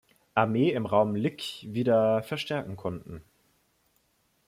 Armee im Raum Lyck wieder verstärken konnten.